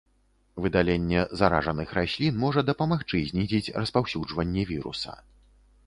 Выдаленне заражаных раслін можа дапамагчы знізіць распаўсюджванне віруса.